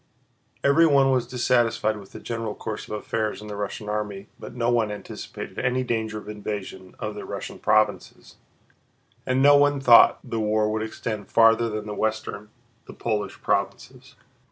Everyone was dissatisfied with the general course of affairs in the Russian army, but no one anticipated any danger of invasion of the Russian provinces, and no one thought the war would extend farther than the western, the Polish, provinces.